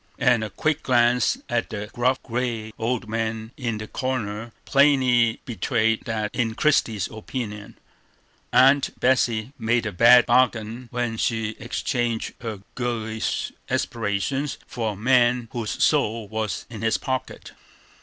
And a quick glance at the gruff, gray old man in the corner plainly betrayed that, in Christie's opinion, Aunt Betsey made a bad bargain when she exchanged her girlish aspirations for a man whose soul was in his pocket.